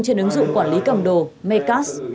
trên ứng dụng quản lý cầm đồ mecas